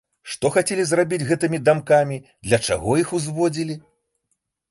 Што хацелі зрабіць гэтымі дамкамі, для чаго іх узводзілі?